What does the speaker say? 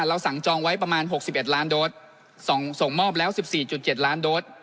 เราสั่งจองไว้ประมาณหกสิบเอ็ดล้านโดรสส่องส่งมอบแล้วสิบสี่จุดเจ็ดล้านโดรส